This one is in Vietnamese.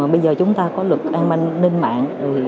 bây giờ chúng ta có luật an ninh mạng